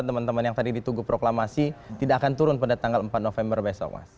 teman teman yang tadi di tugu proklamasi tidak akan turun pada tanggal empat november besok mas